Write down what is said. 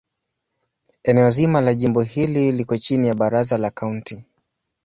Eneo zima la jimbo hili liko chini ya Baraza la Kaunti.